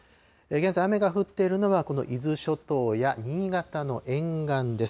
現在、雨が降っているのはこの伊豆諸島や新潟の沿岸です。